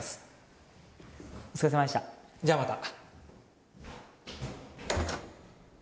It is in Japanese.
じゃあまた。